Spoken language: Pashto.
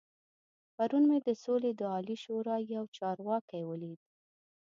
پرون مې د سولې د عالي شورا يو چارواکی ولید.